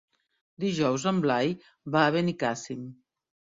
Dijous en Blai va a Benicàssim.